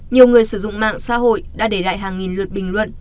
nhiều người sử dụng mạng xã hội đã để lại hàng nghìn lượt bình luận